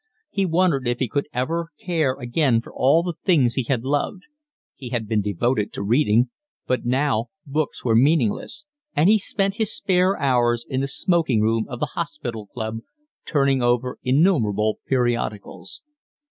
He wondered if he could ever care again for all the things he had loved. He had been devoted to reading, but now books were meaningless; and he spent his spare hours in the smoking room of the hospital club, turning over innumerable periodicals.